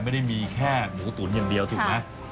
ไม่ได้มีแค่หมูตุ๋นอย่างเดียวดิที่ว่านะฮะ